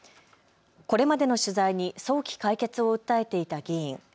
これまでの取材に早期解決を訴えていた議員。